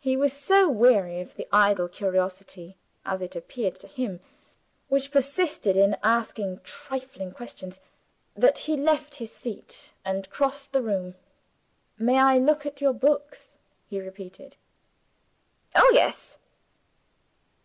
He was so weary of the idle curiosity as it appeared to him which persisted in asking trifling questions, that he left his seat, and crossed the room. "May I look at your books?" he repeated. "Oh, yes!"